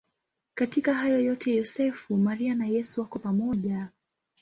Katika hayo yote Yosefu, Maria na Yesu wako pamoja.